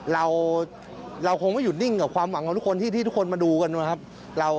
เราคงไม่หยุดนิ่งกับความหวังของทุกคนที่ทุกคนมาดูกันนะครับ